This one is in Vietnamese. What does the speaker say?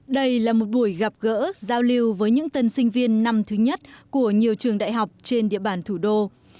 đây là một buổi gặp gỡ giao lưu với những tân sinh viên năm thứ nhất của nhiều trường đại học trên địa bàn thủ đô